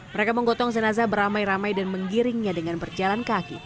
mereka menggotong jenazah beramai ramai dan menggiringnya dengan berjalan kaki